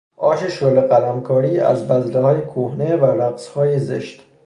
آش شله قلمکاری از بذلههای کهنه و رقصهای زشت